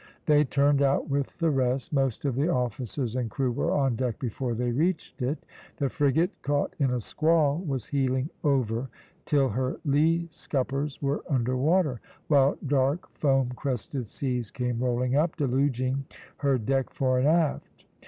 They turned out with the rest; most of the officers and crew were on deck before they reached it. The frigate, caught in a squall, was heeling over till her lee scuppers were under water, while dark, foam crested seas came rolling up, deluging her deck fore and aft.